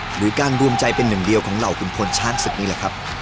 หรือการรวมใจเป็นหนึ่งเดียวของเหล่าขุนพลช้างศึกนี่แหละครับ